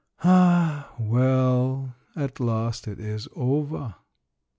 Ah, well ! At last it is over.